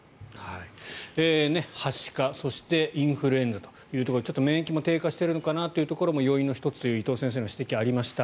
はしか、そしてインフルエンザというところでちょっと免疫も低下しているのかなというところも要因の１つという伊藤先生の指摘がありました。